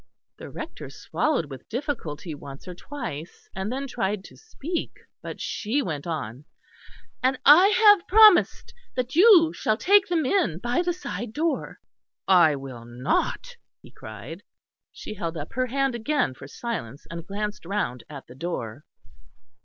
The Rector swallowed with difficulty once or twice, and then tried to speak, but she went on. "And I have promised that you shall take them in by the side door." "I will not!" he cried. She held up her hand again for silence, and glanced round at the door.